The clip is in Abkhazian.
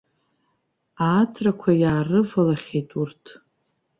Ааҵрақәа иаарывалахьеит урҭ.